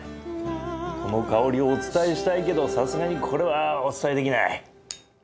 この香りをお伝えしたいけどさすがにこれはお伝えできない。